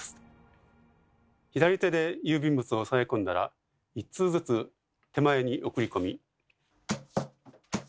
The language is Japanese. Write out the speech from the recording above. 左手で郵便物を押さえ込んだら一通ずつ手前に送り込み。